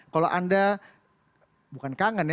kalau anda bukan kangen ya